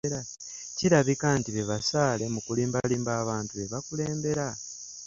Kirabika nti be basaale mu kulimbalimba abantu be bakulembera.